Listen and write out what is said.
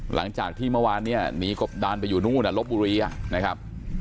หลังจากที่เมื่อวานเนี่ยหนีกบดานไปอยู่นู่นลบบุรีนะครับ